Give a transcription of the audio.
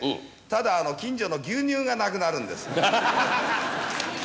ただ、近所の牛乳がなくなるんです。